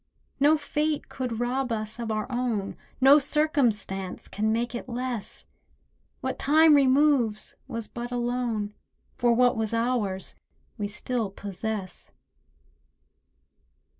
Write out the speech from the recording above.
No fate could rob us of our own— No circumstance can make it less; What time removes was but a loan, For what was ours we still possess.